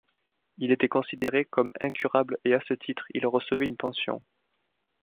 Il était considéré comme incurable et à ce titre, il recevait une pension.